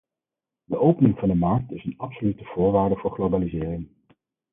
De opening van de markt is een absolute voorwaarde voor globalisering.